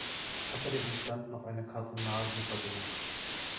Außerdem entstand noch eine Kartonagenfabrik.